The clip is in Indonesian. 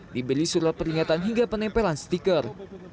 diberi surat peringatan hingga penempelan stiker